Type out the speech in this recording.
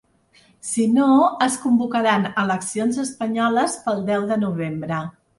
Si no, es convocaran eleccions espanyoles pel deu de novembre.